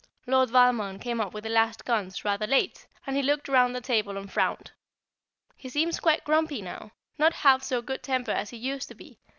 Lord Valmond came up with the last guns, rather late, and he looked round the table and frowned. He seems quite grumpy now, not half so good tempered as he used to be.